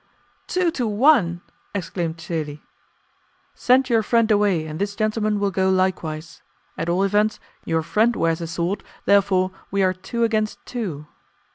"Two to one!" exclaimed Celi. "Send your friend away, and this gentleman will go likewise; at all events, your friend wears a sword, therefore we are two against two."